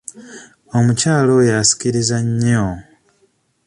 Omukyala oyo asikiriza nnyo.